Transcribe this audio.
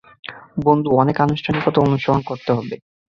বন্ধু, অনেক আনুষ্ঠানিকতা অনুসরণ করতে হবে।